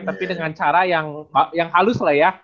tapi dengan cara yang halus lah ya